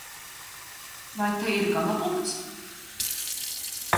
Vai te ir galapunkts?